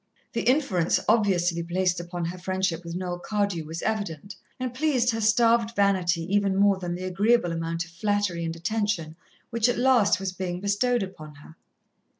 The inference obviously placed upon her friendship with Noel Cardew was evident, and pleased her starved vanity even more than the agreeable amount of flattery and attention which at last was being bestowed upon her.